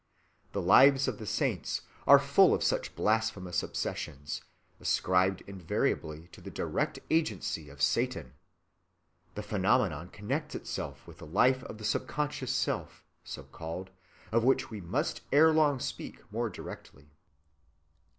The lives of the saints are full of such blasphemous obsessions, ascribed invariably to the direct agency of Satan. The phenomenon connects itself with the life of the subconscious self, so‐called, of which we must ere‐long speak more directly.